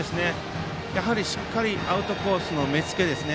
しっかりアウトコースの目付けですね。